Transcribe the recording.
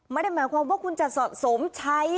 ไม่ได้หมายความว่าคุณจะสะสมใช้